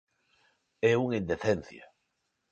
¡É unha indecencia!